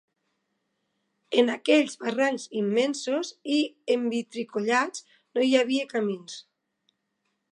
En aquells barrancs immensos i envitricollats no hi havia camins